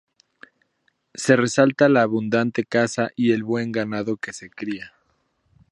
Se resalta la abundante caza y el buen ganado que se cría.